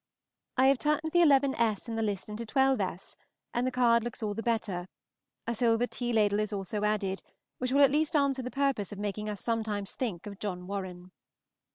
I have turned the 11_s._ in the list into 12_s._, and the card looks all the better; a silver tea ladle is also added, which will at least answer the purpose of making us sometimes think of John Warren.